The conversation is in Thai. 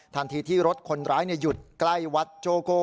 ทันทีที่รถคนร้ายหยุดใกล้วัดโจโก้